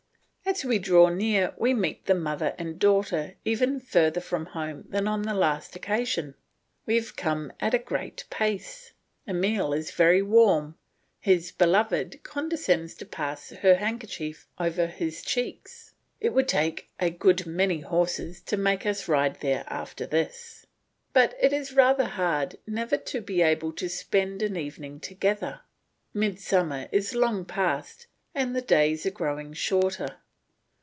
As we draw near, we meet the mother and daughter even further from home than on the last occasion. We have come at a great pace. Emile is very warm; his beloved condescends to pass her handkerchief over his cheeks. It would take a good many horses to make us ride there after this. But it is rather hard never to be able to spend an evening together. Midsummer is long past and the days are growing shorter.